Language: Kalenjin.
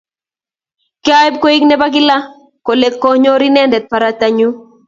kiaib koek ne bo Kilaa kole konyor inendet baruatnyu